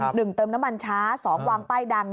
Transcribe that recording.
หนึ่งเติมน้ำมันช้าสองวางป้ายดัง